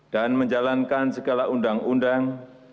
dan menjalankan segala undang undang